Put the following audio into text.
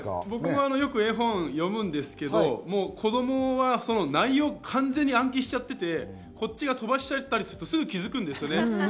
僕もよく絵本を読むんですけれども、子供は内容を完全に暗記しちゃっていて、飛ばしちゃったりするとすぐ気づくんですよね。